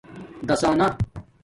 دَاسانہ